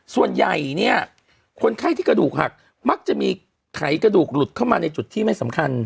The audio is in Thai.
ส่วนใหญ่เนี่ยคนไข้ที่กระดูกหักมักจะมีไขกระดูกหลุดเข้ามาในจุดที่ไม่สำคัญ